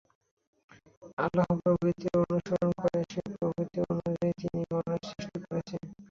আল্লাহর প্রকৃতির অনুসরণ কর, যে প্রকৃতি অনুযায়ী তিনি মানুষ সৃষ্টি করেছেন।